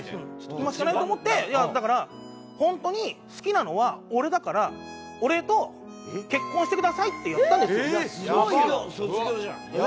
今しかないと思ってだから「本当に好きなのは俺だから俺と結婚してください」ってやったんですよ。